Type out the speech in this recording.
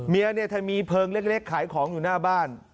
เมียเนี่ยเธอมีเพลิงเล็กขายของอยู่หน้าบ้าน